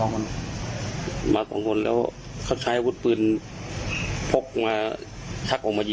เขาแค่ถามมารอเพื่อนเลยครับ